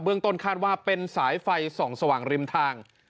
ต้นคาดว่าเป็นสายไฟส่องสว่างริมทาง